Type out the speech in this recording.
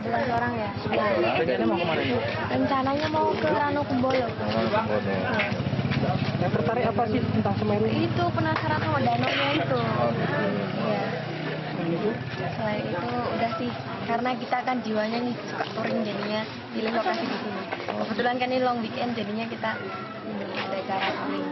tidak ini berdekat